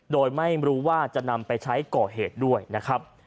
โดยไม่รู้ว่าจะนำไปใช้ก่อเหตุด้วยนะครับ